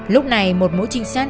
lúc này một mẫu trinh sát